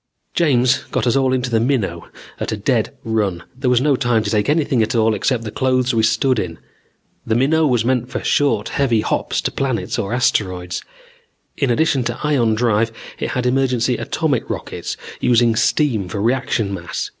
"James got us all into the Minnow at a dead run. There was no time to take anything at all except the clothes we stood in. The Minnow was meant for short heavy hops to planets or asteroids. In addition to the ion drive it had emergency atomic rockets, using steam for reaction mass.